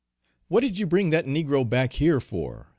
"What did you bring that negro back here for?"